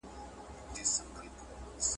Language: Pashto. دنبوت دپاي ته رسيدو نه وروسته ،